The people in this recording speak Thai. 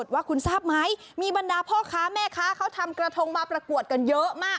ว่าคุณทราบไหมมีบรรดาพ่อค้าแม่ค้าเขาทำกระทงมาประกวดกันเยอะมาก